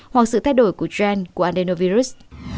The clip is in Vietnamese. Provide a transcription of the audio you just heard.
hoặc sự thay đổi của trend của andenovirus